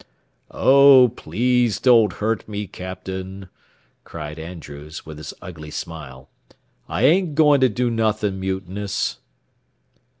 "Oh, please don't hurt me, captain," cried Andrews, with his ugly smile. "I ain't going to do nothing mutinous."